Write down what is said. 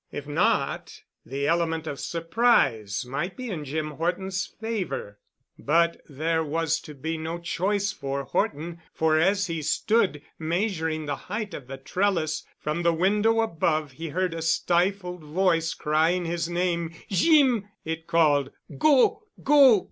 If not, the element of surprise might be in Jim Horton's favor. But there was to be no choice for Horton—for as he stood, measuring the height of the trellis, from the window above he heard a stifled voice crying his name. "Jeem!" it called, "Go! Go!"